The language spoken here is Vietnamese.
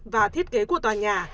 và thiết kế của tòa nhà